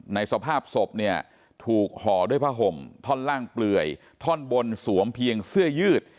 สภาพศพเนี่ยถูกห่อด้วยผ้าห่มท่อนล่างเปลื่อยท่อนบนสวมเพียงเสื้อยืด